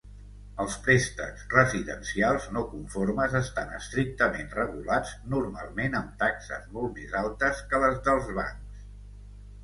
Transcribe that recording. Els préstecs residencials no conformes estan estrictament regulats, normalment amb taxes molt més altes que les dels bancs.